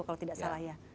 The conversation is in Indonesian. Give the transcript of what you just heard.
kalau tidak salah ya